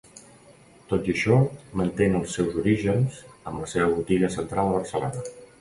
Tot i això, mantén els seus orígens amb la seva botiga central a Barcelona.